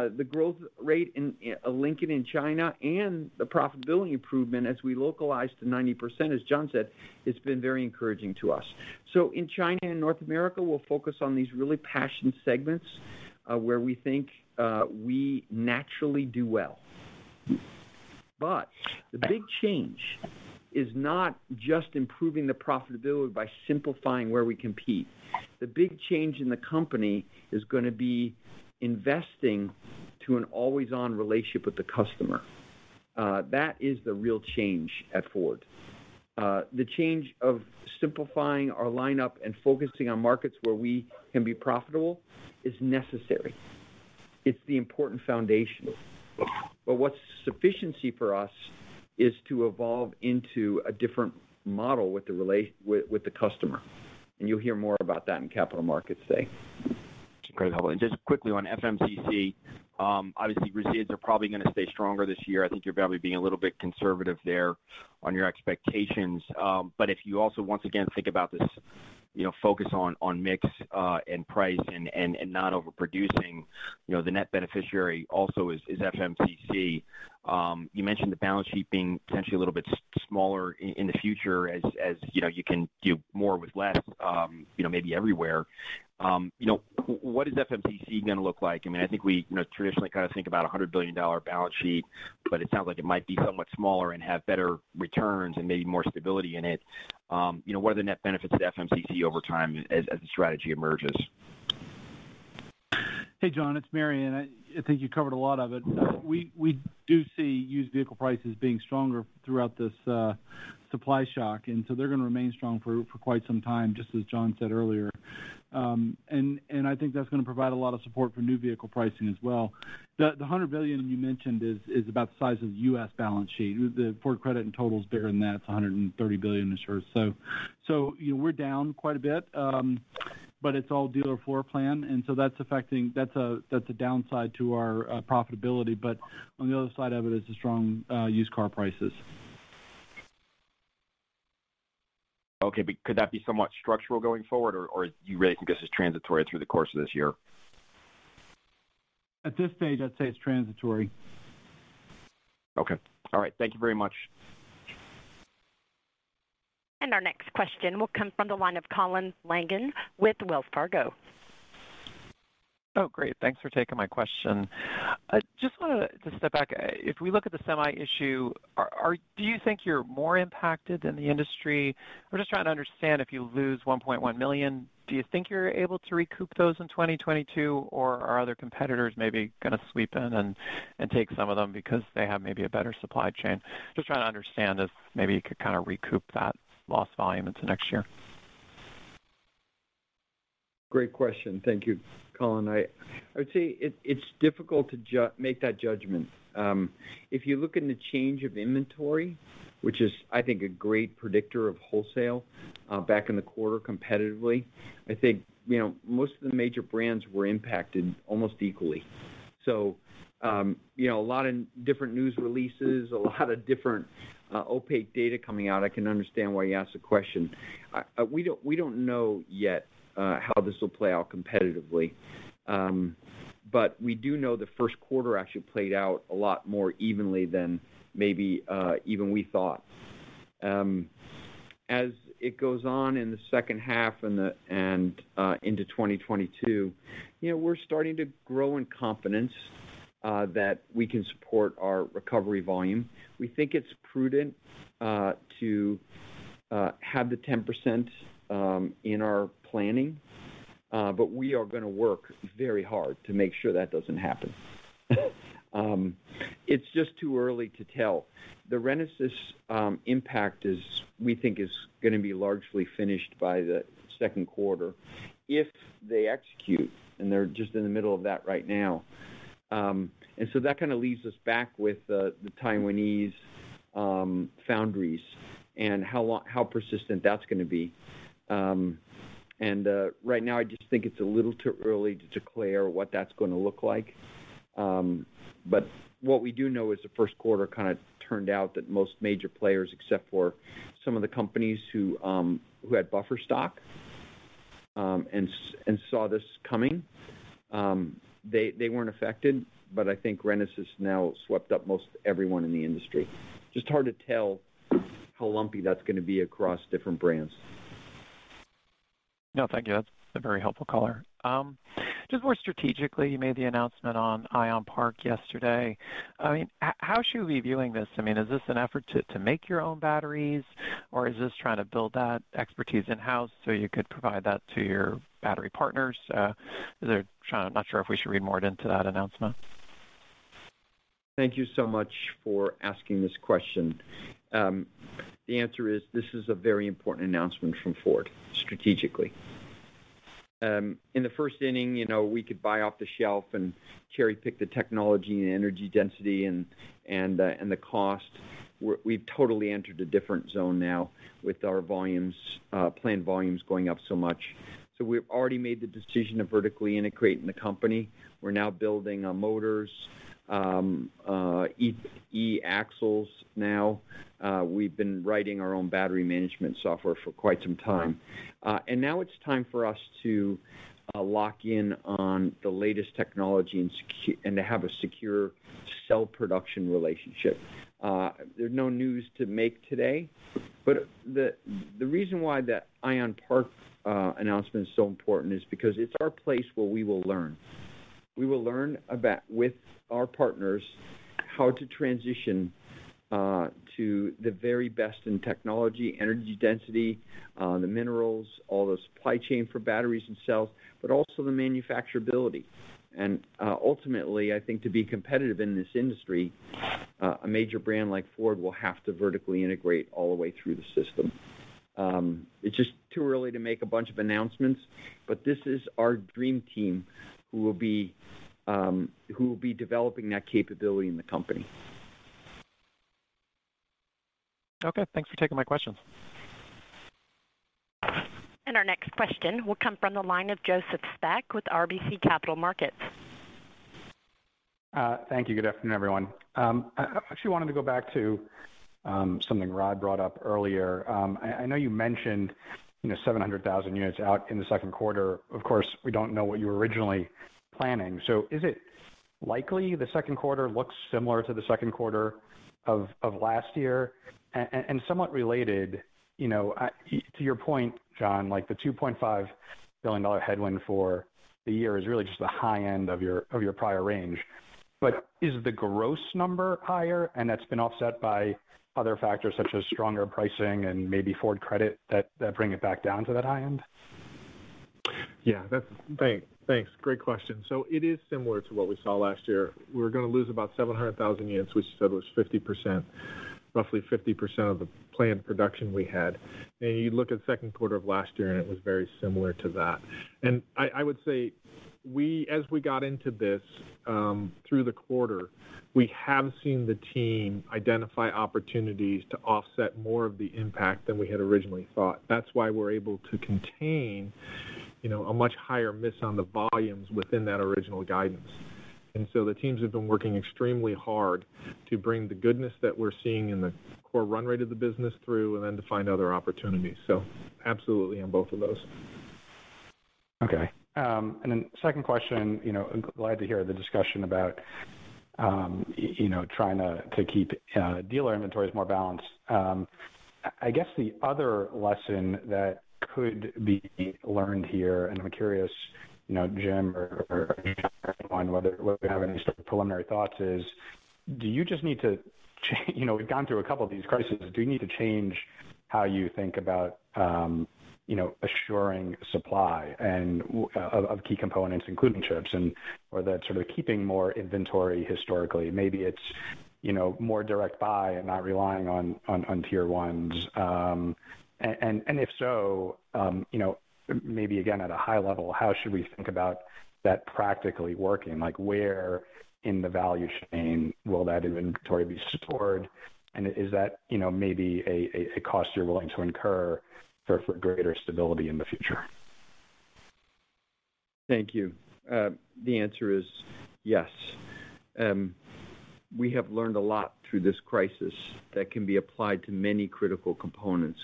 The growth rate of Lincoln in China and the profitability improvement as we localize to 90%, as John said, has been very encouraging to us. In China and North America, we'll focus on these really passion segments, where we think we naturally do well. The big change is not just improving the profitability by simplifying where we compete. The big change in the company is going to be investing to an always-on relationship with the customer. That is the real change at Ford. The change of simplifying our lineup and focusing on markets where we can be profitable is necessary. It's the important foundation. What's sufficiency for us is to evolve into a different model with the customer, and you'll hear more about that in capital markets today. That's incredible. Just quickly on FMCC, obviously, residuals are probably going to stay stronger this year. I think you're probably being a little bit conservative there on your expectations. If you also, once again, think about this focus on mix and price and not overproducing, the net beneficiary also is FMCC. You mentioned the balance sheet being potentially a little bit smaller in the future as you can do more with less, maybe everywhere. What is FMCC going to look like? I think we traditionally think about $100 billion balance sheet, but it sounds like it might be somewhat smaller and have better returns and maybe more stability in it. What are the net benefits of FMCC over time as the strategy emerges? Hey, John, it's Marion. I think you covered a lot of it. We do see used vehicle prices being stronger throughout this supply shock, they're going to remain strong for quite some time, just as John said earlier. I think that's going to provide a lot of support for new vehicle pricing as well. The $100 billion you mentioned is about the size of the U.S. balance sheet. The Ford Credit in total's bigger than that. It's $130 billion, I'm sure. We're down quite a bit, but it's all dealer floor plan, and so that's a downside to our profitability. On the other side of it is the strong used car prices. Okay, could that be somewhat structural going forward, or do you really think this is transitory through the course of this year? At this stage, I'd say it's transitory. Okay. All right. Thank you very much. Our next question will come from the line of Colin Langan with Wells Fargo. Oh, great. Thanks for taking my question. I just want to step back. If we look at the semi issue, do you think you're more impacted than the industry? I'm just trying to understand, if you lose 1.1 million, do you think you're able to recoup those in 2022, or are other competitors maybe going to sweep in and take some of them because they have maybe a better supply chain? Just trying to understand if maybe you could kind of recoup that lost volume into next year. Great question. Thank you, Colin. I would say it's difficult to make that judgment. If you look in the change of inventory, which is, I think, a great predictor of wholesale, back in the quarter competitively, I think most of the major brands were impacted almost equally. A lot of different news releases, a lot of different opaque data coming out. I can understand why you asked the question. We don't know yet how this will play out competitively. We do know the first quarter actually played out a lot more evenly than maybe even we thought. As it goes on in the second half and into 2022, we're starting to grow in confidence that we can support our recovery volume. We think it's prudent to have the 10% in our planning, but we are going to work very hard to make sure that doesn't happen. It's just too early to tell. The Renesas impact is, we think, is going to be largely finished by the second quarter if they execute, and they're just in the middle of that right now. That kind of leaves us back with the Taiwanese foundries and how persistent that's going to be. Right now, I just think it's a little too early to declare what that's going to look like. What we do know is the first quarter kind of turned out that most major players, except for some of the companies who had buffer stock, and saw this coming, they weren't affected. I think Renesas now swept up most everyone in the industry. Just hard to tell how lumpy that's going to be across different brands. No, thank you. That's a very helpful caller. More strategically, you made the announcement on Ion Park yesterday. How should we be viewing this? Is this an effort to make your own batteries, or is this trying to build that expertise in-house so you could provide that to your battery partners? I'm not sure if we should read more into that announcement. Thank you so much for asking this question. The answer is, this is a very important announcement from Ford, strategically. In the first inning, we could buy off the shelf and cherry-pick the technology and energy density and the cost. We've totally entered a different zone now with our planned volumes going up so much. We've already made the decision to vertically integrate in the company. We're now building our motors, e-axles now. We've been writing our own battery management software for quite some time. Now it's time for us to lock in on the latest technology and to have a secure cell production relationship. There's no news to make today, the reason why that Ion Park announcement is so important is because it's our place where we will learn. We will learn with our partners how to transition to the very best in technology, energy density, the minerals, all the supply chain for batteries themselves, but also the manufacturability. Ultimately, I think to be competitive in this industry, a major brand like Ford will have to vertically integrate all the way through the system. It's just too early to make a bunch of announcements, but this is our dream team who will be developing that capability in the company. Okay. Thanks for taking my questions. Our next question will come from the line of Joseph Spak with RBC Capital Markets. Thank you. Good afternoon, everyone. I actually wanted to go back to something Rod Lache brought up earlier. I know you mentioned 700,000 units out in the second quarter. Of course, we don't know what you were originally planning. Is it likely the second quarter looks similar to the second quarter of last year? Somewhat related, to your point, John Lawler, like the $2.5 billion headwind for the year is really just the high end of your prior range. Is the gross number higher and that's been offset by other factors such as stronger pricing and maybe Ford Credit that bring it back down to that high end? Yeah. Thanks. Great question. It is similar to what we saw last year. We were going to lose about 700,000 units, which you said was 50%, roughly 50% of the planned production we had. You look at the second quarter of last year, and it was very similar to that. I would say as we got into this through the quarter, we have seen the team identify opportunities to offset more of the impact than we had originally thought. That's why we're able to contain a much higher miss on the volumes within that original guidance. The teams have been working extremely hard to bring the goodness that we're seeing in the core run rate of the business through and then to find other opportunities. Absolutely on both of those. Okay. Then second question, glad to hear the discussion about trying to keep dealer inventories more balanced. I guess the other lesson that could be learned here, and I'm curious, Jim or John, whether we have any sort of preliminary thoughts. We've gone through a couple of these crises. Do you need to change how you think about assuring supply of key components, including chips, or that sort of keeping more inventory historically? Maybe it's more direct buy and not relying on tier 1s. If so, maybe again, at a high level, how should we think about that practically working? Where in the value chain will that inventory be stored? Is that maybe a cost you're willing to incur for greater stability in the future? Thank you. The answer is yes. We have learned a lot through this crisis that can be applied to many critical components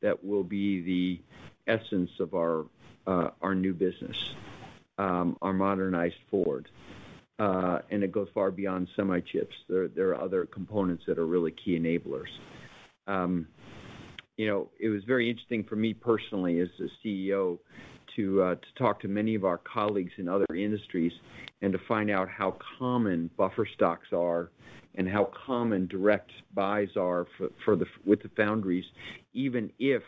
that will be the essence of our new business, our modernized Ford. It goes far beyond semi chips. There are other components that are really key enablers. It was very interesting for me personally, as the CEO, to talk to many of our colleagues in other industries and to find out how common buffer stocks are and how common direct buys are with the foundries, even if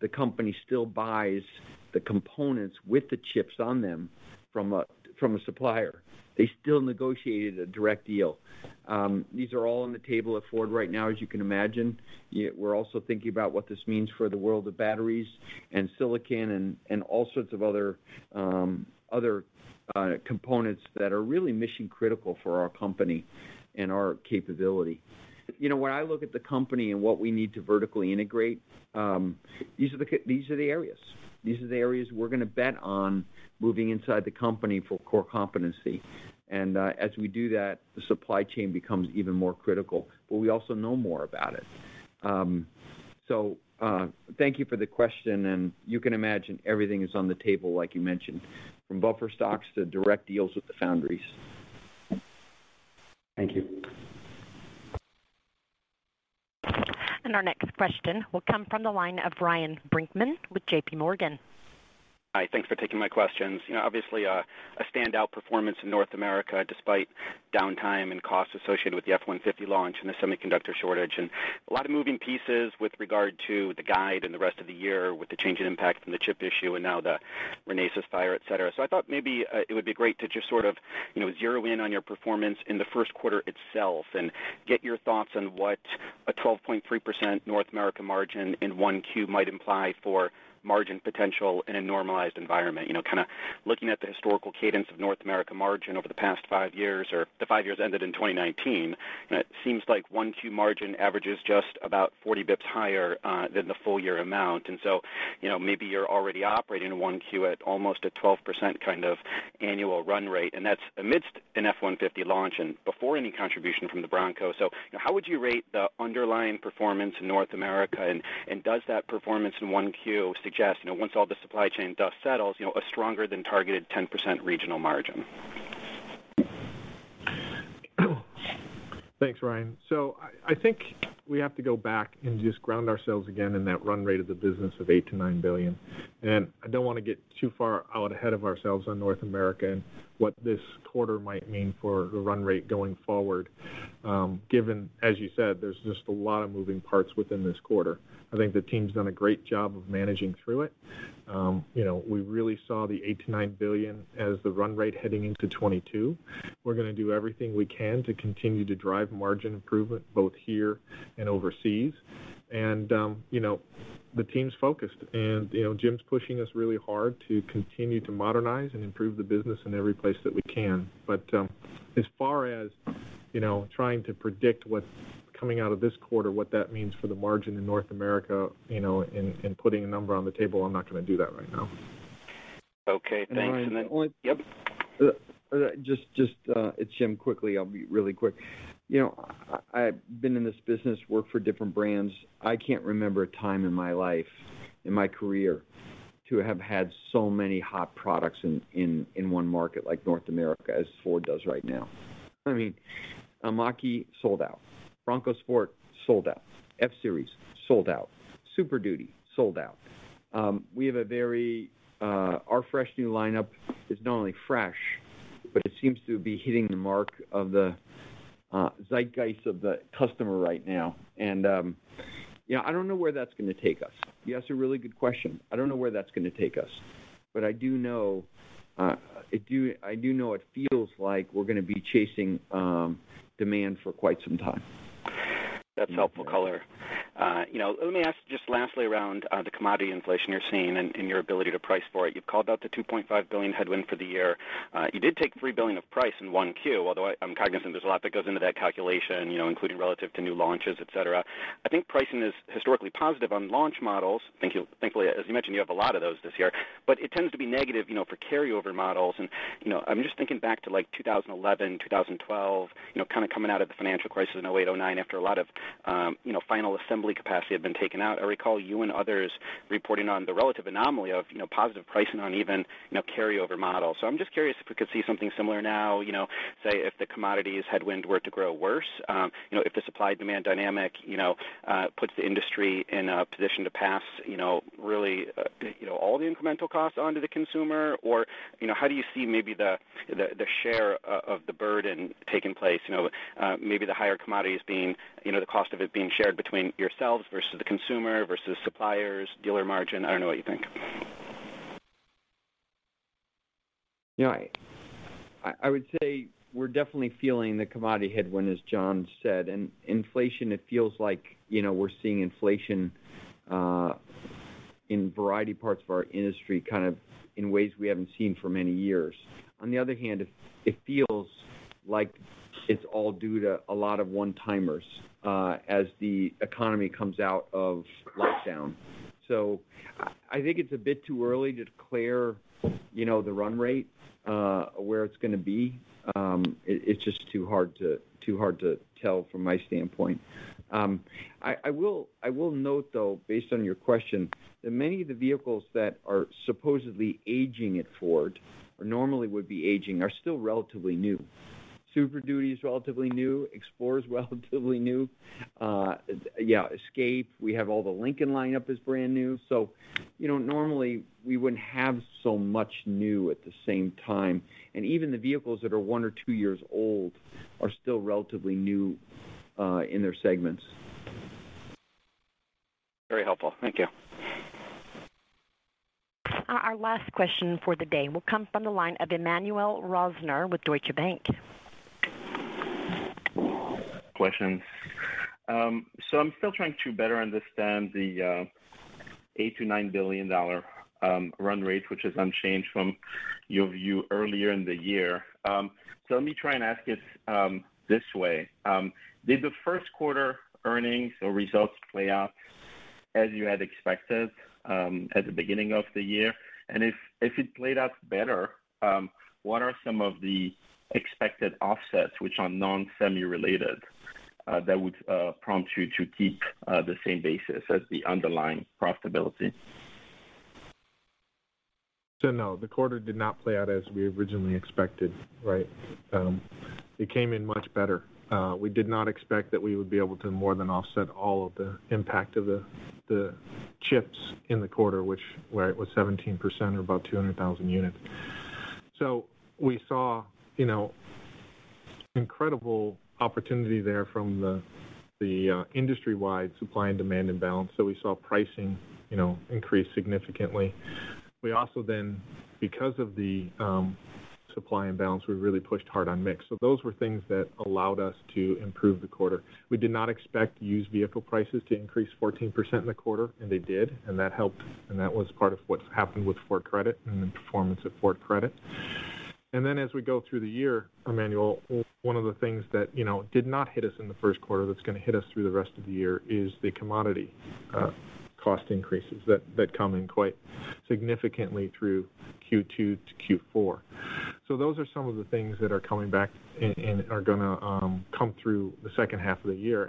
the company still buys the components with the chips on them from a supplier. They still negotiated a direct deal. These are all on the table at Ford right now, as you can imagine. We're also thinking about what this means for the world of batteries and silicon and all sorts of other components that are really mission-critical for our company and our capability. When I look at the company and what we need to vertically integrate, these are the areas. These are the areas we're going to bet on moving inside the company for core competency. As we do that, the supply chain becomes even more critical, but we also know more about it. Thank you for the question, and you can imagine everything is on the table, like you mentioned, from buffer stocks to direct deals with the foundries. Thank you. Our next question will come from the line of Ryan Brinkman with JPMorgan. Hi. Thanks for taking my questions. Obviously, a standout performance in North America despite downtime and costs associated with the F-150 launch and the semiconductor shortage. A lot of moving pieces with regard to the guide and the rest of the year with the change in impact from the chip issue and now the Renesas fire, et cetera. I thought maybe it would be great to just sort of zero in on your performance in the first quarter itself and get your thoughts on what a 12.3% North America margin in 1Q might imply for margin potential in a normalized environment. Kind of looking at the historical cadence of North America margin over the past five years, or the five years ended in 2019, and it seems like 1Q margin average is just about 40 basis points higher than the full year amount. Maybe you're already operating 1Q at almost a 12% kind of annual run rate, and that's amidst an F-150 launch and before any contribution from the Bronco. How would you rate the underlying performance in North America? Does that performance in 1Q suggest, once all the supply chain dust settles, a stronger than targeted 10% regional margin? Thanks, Ryan. I think we have to go back and just ground ourselves again in that run rate of the business of $8 billion-$9 billion. I don't want to get too far out ahead of ourselves on North America and what this quarter might mean for the run rate going forward, given, as you said, there's just a lot of moving parts within this quarter. I think the team's done a great job of managing through it. We really saw the $8 billion-$9 billion as the run rate heading into 2022. We're going to do everything we can to continue to drive margin improvement both here and overseas. The team's focused, and Jim's pushing us really hard to continue to modernize and improve the business in every place that we can. As far as trying to predict what's coming out of this quarter, what that means for the margin in North America, and putting a number on the table, I'm not going to do that right now. Okay. Thanks. Ryan. Yep. Just it's Jim, quickly. I'll be really quick. I've been in this business, worked for different brands. I can't remember a time in my life, in my career to have had so many hot products in one market like North America as Ford does right now. I mean, Mach-E, sold out. Bronco Sport, sold out. F-Series, sold out. Super Duty, sold out. Our fresh new lineup is not only fresh, but it seems to be hitting the mark of the zeitgeist of the customer right now. I don't know where that's going to take us. You asked a really good question. I don't know where that's going to take us, but I do know it feels like we're going to be chasing demand for quite some time. That's helpful color. Let me ask just lastly around the commodity inflation you're seeing and your ability to price for it. You've called out the $2.5 billion headwind for the year. You did take $3 billion of price in 1Q, although I'm cognizant there's a lot that goes into that calculation including relative to new launches, et cetera. I think pricing is historically positive on launch models. Thankfully, as you mentioned, you have a lot of those this year, but it tends to be negative for carryover models. I'm just thinking back to like 2011, 2012, kind of coming out of the financial crisis in 2008, 2009 after a lot of final assembly capacity had been taken out. I recall you and others reporting on the relative anomaly of positive pricing on even carryover models. I'm just curious if we could see something similar now, say if the commodities headwind were to grow worse, if the supply-demand dynamic puts the industry in a position to pass really all the incremental costs onto the consumer, or how do you see maybe the share of the burden taking place, maybe the higher commodities, the cost of it being shared between yourselves versus the consumer versus suppliers, dealer margin? I don't know what you think. I would say we're definitely feeling the commodity headwind, as John said. Inflation, it feels like we're seeing inflation in a variety of parts of our industry, kind of in ways we haven't seen for many years. On the other hand, it feels like it's all due to a lot of one-timers as the economy comes out of lockdown. I think it's a bit too early to declare the run rate, where it's going to be. It's just too hard to tell from my standpoint. I will note, though, based on your question, that many of the vehicles that are supposedly aging at Ford, or normally would be aging, are still relatively new. Super Duty is relatively new, Explorer is relatively new. Yeah, Escape, we have all the Lincoln lineup is brand new. Normally we wouldn't have so much new at the same time. Even the vehicles that are one or two years old are still relatively new in their segments. Very helpful. Thank you. Our last question for the day will come from the line of Emmanuel Rosner with Deutsche Bank. Questions. I'm still trying to better understand the $8 billion-$9 billion run rate, which is unchanged from your view earlier in the year. Let me try and ask it this way. Did the first quarter earnings or results play out as you had expected at the beginning of the year? If it played out better, what are some of the expected offsets, which are non-semi-related, that would prompt you to keep the same basis as the underlying profitability? No, the quarter did not play out as we originally expected, right? It came in much better. We did not expect that we would be able to more than offset all of the impact of the chips in the quarter, which, right, was 17% or about 200,000 units. We saw incredible opportunity there from the industry-wide supply and demand imbalance. We saw pricing increase significantly. We also, because of the supply imbalance, we really pushed hard on mix. Those were things that allowed us to improve the quarter. We did not expect used vehicle prices to increase 14% in the quarter, and they did, and that helped, and that was part of what happened with Ford Credit and the performance at Ford Credit. As we go through the year, Emmanuel, one of the things that did not hit us in the first quarter that's going to hit us through the rest of the year is the commodity cost increases that come in quite significantly through Q2 to Q4. Those are some of the things that are coming back and are going to come through the second half of the year.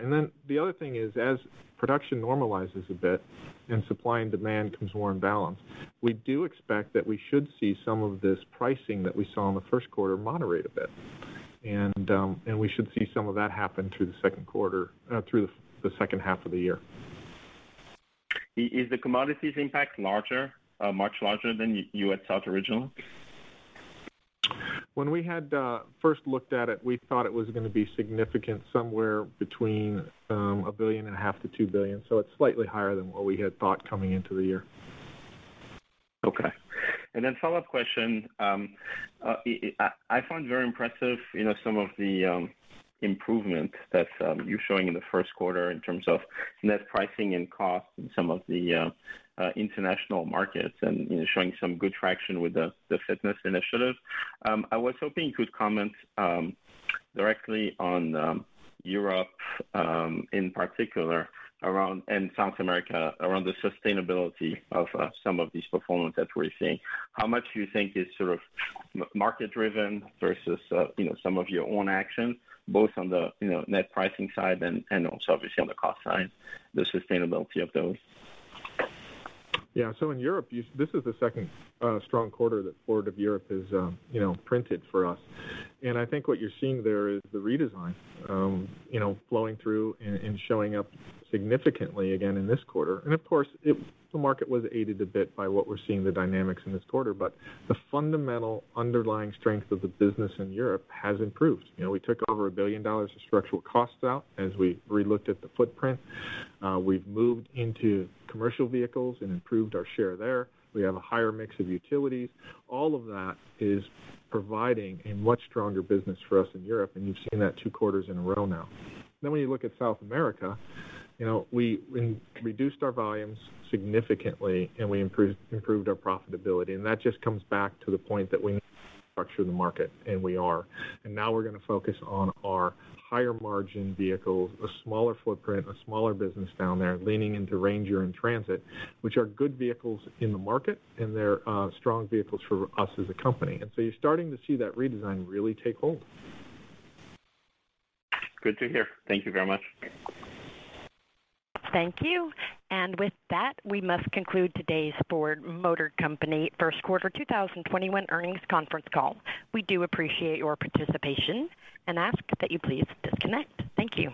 The other thing is, as production normalizes a bit and supply and demand becomes more in balance, we do expect that we should see some of this pricing that we saw in the first quarter moderate a bit. We should see some of that happen through the second half of the year. Is the commodities impact much larger than you had thought originally? When we had first looked at it, we thought it was going to be significant, somewhere between a billion and a half to $2 billion. It's slightly higher than what we had thought coming into the year. Okay. Follow-up question. I find very impressive some of the improvement that you're showing in the first quarter in terms of net pricing and cost in some of the international markets and showing some good traction with the fitness initiative. I was hoping you could comment directly on Europe, in particular, and South America, around the sustainability of some of this performance that we're seeing. How much do you think is sort of market driven versus some of your own action, both on the net pricing side and also obviously on the cost side, the sustainability of those? In Europe, this is the second strong quarter that Ford of Europe has printed for us. I think what you're seeing there is the redesign flowing through and showing up significantly again in this quarter. The market was aided a bit by what we're seeing the dynamics in this quarter, but the fundamental underlying strength of the business in Europe has improved. We took over $1 billion of structural costs out as we re-looked at the footprint. We've moved into commercial vehicles and improved our share there. We have a higher mix of utilities. All of that is providing a much stronger business for us in Europe, you've seen that two quarters in a row now. When you look at South America, we reduced our volumes significantly and we improved our profitability. That just comes back to the point that we need to structure the market, and we are. Now we're going to focus on our higher margin vehicles, a smaller footprint, a smaller business down there, leaning into Ranger and Transit, which are good vehicles in the market, and they're strong vehicles for us as a company. You're starting to see that redesign really take hold. Good to hear. Thank you very much. Thank you. With that, we must conclude today's Ford Motor Company first quarter 2021 earnings conference call. We do appreciate your participation and ask that you please disconnect. Thank you.